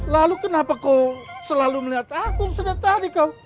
lalu kenapa kau selalu melihat akun sejak tadi kau